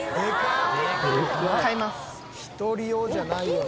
「１人用じゃないよな」